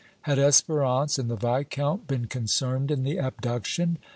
Had Espérance and the Viscount been concerned in the abduction?